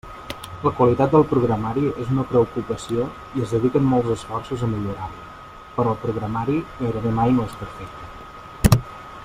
La qualitat del programari és una preocupació i es dediquen molts esforços a millorar-la, però el programari gairebé mai no és perfecte.